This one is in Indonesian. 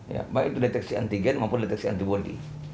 ya baik itu deteksi antigen maupun deteksi antibody